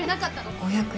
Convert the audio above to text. ５００円